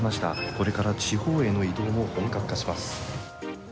これから地方への移動も本格化します。